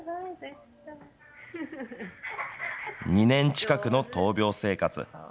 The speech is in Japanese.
２年近くの闘病生活。